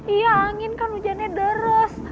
iya angin kan hujannya deres